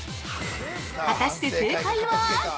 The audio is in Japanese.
◆果たして正解は。